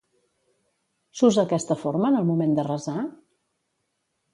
S'usa aquesta forma en el moment de resar?